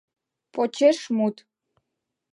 ПОЧЕШМУТ